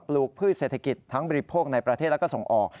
ลูกพืชเศรษฐกิจทั้งบริโภคในประเทศและก็ส่งออก